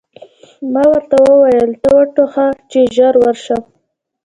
ما ورته وویل: ته و ټوخه، چې ژر ورشم.